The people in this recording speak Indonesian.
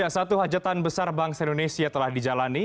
satu hajatan besar bangsa indonesia telah dijalani